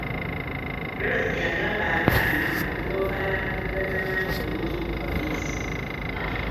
Dorothy yagamba abaana okuloopa abantu be batamanyi bulungi ku poliisi.